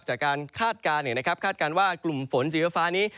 จากการคาดการณ์เนี่ยนะครับคาดการณ์ว่ากลุ่มฝนสีฟ้านี้